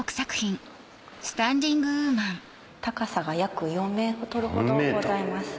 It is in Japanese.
高さが約４ｍほどございます。